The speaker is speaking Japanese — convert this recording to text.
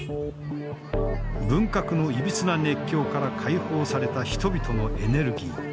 文革のいびつな熱狂から解放された人々のエネルギー。